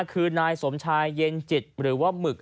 คือนายสมชายเย็นจิตหรือว่าหมึก